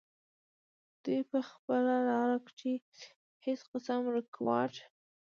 دوي پۀ خپله لاره کښې د هيڅ قسم رکاوټ